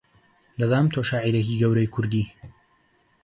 دەزانم تۆ شاعیرێکی گەورەی کوردی